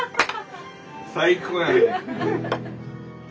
・最高やね。